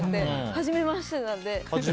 はじめましてなので。